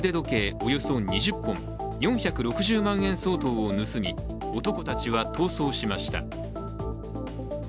およそ２０本、４６０万円相当を盗み男たちは逃走しました。